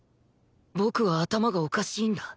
僕は頭がおかしいんだ